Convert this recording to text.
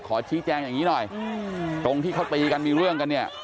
ขอชี้แจงอย่างนี้หน่อยตรงที่เขาตีกันมีเรื่องกันเนี่ย